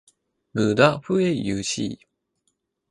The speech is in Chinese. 母德妃俞氏。